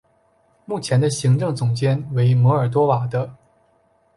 目前的行政总监为摩尔多瓦的。